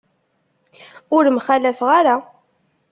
Ur mxallafeɣ ara.